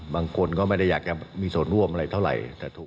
บางคนก็ไม่ได้อยากจะมีส่วนร่วมอะไรเท่าไหร่